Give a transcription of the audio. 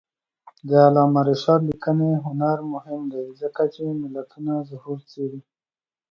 د علامه رشاد لیکنی هنر مهم دی ځکه چې ملتونو ظهور څېړي.